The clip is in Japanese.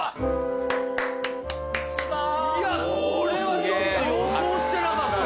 いやこれはちょっと予想してなかった。